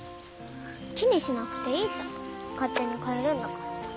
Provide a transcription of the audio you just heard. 気にしなくていいさ勝手に帰るんだから。